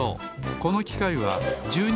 このきかいは１２